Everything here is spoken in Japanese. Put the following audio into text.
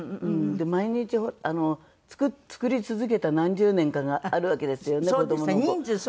毎日作り続けた何十年かがあるわけですよね子供の。